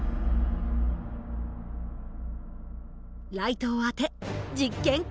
ライトを当て実験開始！